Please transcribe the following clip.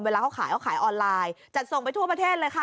เขาขายเขาขายออนไลน์จัดส่งไปทั่วประเทศเลยค่ะ